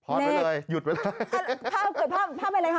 โอ้ยหอดไปเลยหยุดไปเลย